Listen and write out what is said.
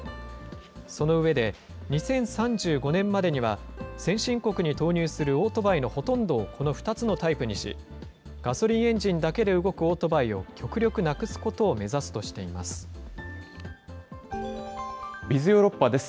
その上で２０３５年までには、先進国に投入するオートバイのほとんどをこの２つのタイプにし、ガソリンエンジンだけで動くオートバイを極力なくすことを目指すＢｉｚヨーロッパです。